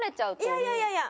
いやいやいやいや！